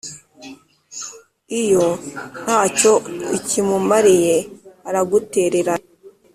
iyo nta cyo ukimumariye, aragutererana